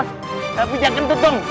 nggak bisa kentut dong